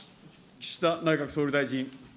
岸田内閣総理大臣。